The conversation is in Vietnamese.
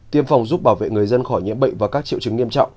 tiêm phòng giúp bảo vệ người dân khỏi nhiễm bệnh và các triệu chứng nghiêm trọng